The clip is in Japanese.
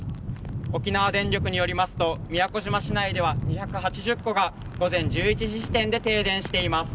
沖縄電力によりますと宮古島市内では２８０戸が午前１１時時点で停電しています。